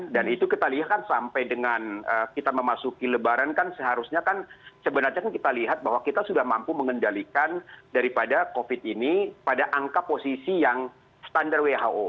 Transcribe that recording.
itu kita lihat kan sampai dengan kita memasuki lebaran kan seharusnya kan sebenarnya kita lihat bahwa kita sudah mampu mengendalikan daripada covid ini pada angka posisi yang standar who